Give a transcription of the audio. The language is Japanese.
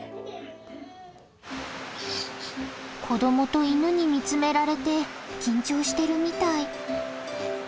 子どもと犬に見つめられて緊張してるみたい。